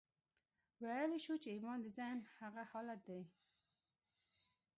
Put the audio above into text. ويلای شو چې ايمان د ذهن هغه حالت دی.